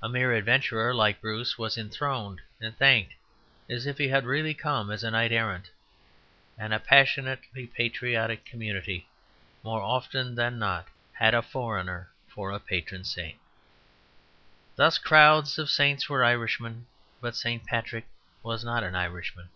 A mere adventurer like Bruce was enthroned and thanked as if he had really come as a knight errant. And a passionately patriotic community more often than not had a foreigner for a patron saint. Thus crowds of saints were Irishmen, but St. Patrick was not an Irishman.